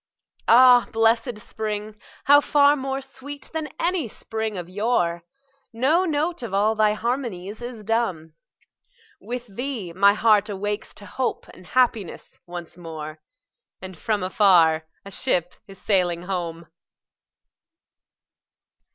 Ah, blessed spring!—how far more sweet than any spring of yore! No note of all thy harmonies is dumb; With thee my heart awakes to hope and happiness once more, And from afar a ship is sailing home!